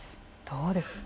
どうですか？